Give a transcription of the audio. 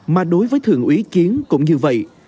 mà đối với thường ủy kiến cũng như vậy